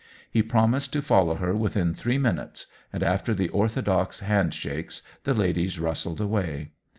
He promised to follow her within three minutes, and after the orthodox hand shakes the ladies rustled away.